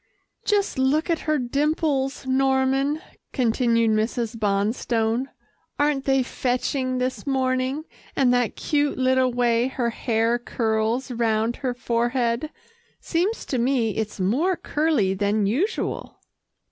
"Just look at her dimples, Norman," continued Mrs. Bonstone. "Aren't they fetching this morning, and that cute little way her hair curls round her forehead? Seems to me, it's more curly than usual."